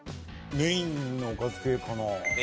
メインのおかず系。